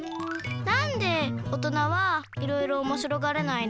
なんで大人はいろいろおもしろがれないの？